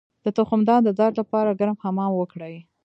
د تخمدان د درد لپاره ګرم حمام وکړئ